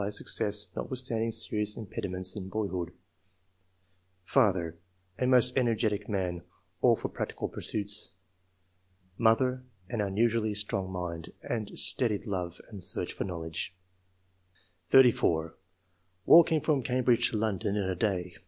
] QUALITIES. 93 success, notwithstanding serious impediments in boyhood]. Father — A most energetic man ; all for practical pursuits. Mother — An unusually strong mind, and steady love and search for knowledge.'* 34. " Walked from Cambridge to London in a day.